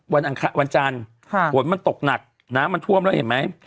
อังคารวันจันทร์ฝนมันตกหนักน้ำมันท่วมแล้วเห็นไหม